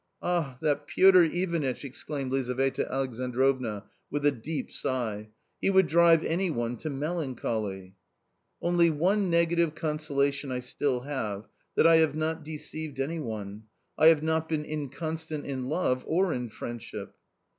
"" Ah, that Piotr Ivanitch !" exclaimed Lizaveta Alexan drovna with a deep sigh; "he would drive any one to melancholy !"" Only one negative consolation I still have, that I have not deceived anyone ; I have not been inconstant in love or in friendship."